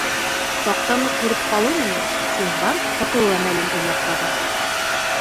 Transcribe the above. Таҡтаны күреп ҡалыу менән, Синдбад ҡотолоу әмәлен уйлап таба.